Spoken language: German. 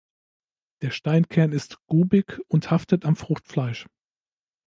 Der Steinkern ist grubig und haftet am Fruchtfleisch.